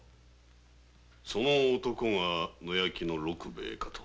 その男が野焼きの六兵ヱかと。